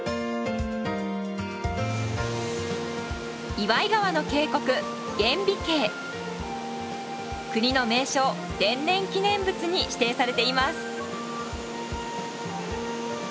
磐井川の渓谷国の名勝天然記念物に指定されています。